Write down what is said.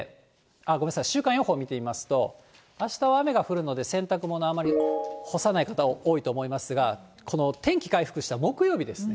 ごめんなさい、週間予報見てみますと、あしたは雨が降るので洗濯物、あまり干さない方が多いと思いますが、この天気回復した木曜日です。